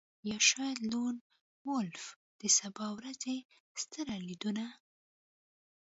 یا شاید لون وولف د سبا ورځې ستر لیدونه